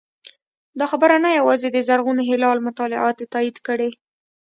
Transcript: دا خبره نه یوازې د زرغون هلال مطالعاتو تایید کړې